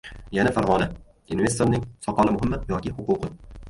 Yana Farg‘ona. Investorning soqoli muhimmi yoki huquqi?